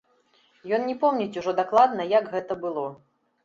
Ён не помніць ужо дакладна, як гэта было.